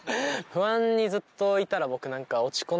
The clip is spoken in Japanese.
不安にずっといたら僕。